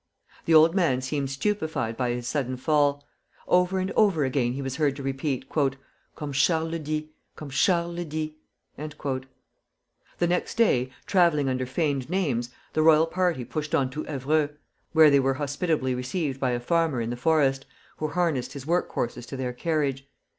The old man seemed stupefied by his sudden fall. Over and over again he was heard to repeat: "Comme Charles X.! Comme Charles X.!" The next day, travelling under feigned names, the royal party pushed on to Evreux, where they were hospitably received by a farmer in the forest, who harnessed his work horses to their carriage.